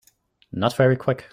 Not very Quick.